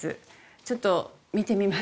ちょっと見てみますか？